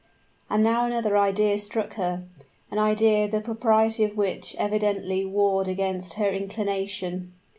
And now another idea struck her an idea the propriety of which evidently warred against her inclination.